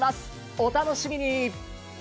お楽しみに！